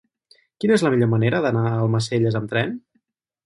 Quina és la millor manera d'anar a Almacelles amb tren?